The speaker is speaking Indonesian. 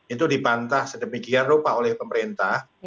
itu dibantah sedemikian rupa oleh pemerintah